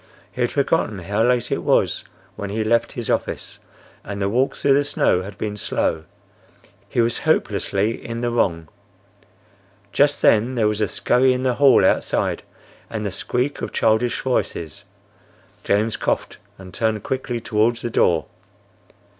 He had forgotten how late it was when he left his office, and the walk through the snow had been slow. He was hopelessly in the wrong. Just then there was a scurry in the hall outside and the squeak of childish voices. James coughed and turned quickly towards the door.